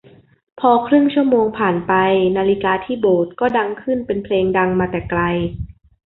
พอครึ่งชั่วโมงผ่านไปนาฬิกาที่โบสถ์ก็ดังขึ้นเป็นเพลงดังมาแต่ไกล